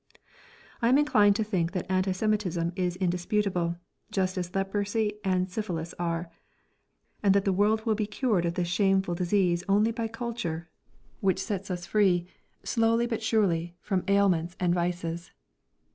I am inclined to think that anti Semitism is indisputable, just as leprosy and syphilis are, and that the world will be cured of this shameful disease only by culture, which sets us free, slowly but surely, from ailments and vices.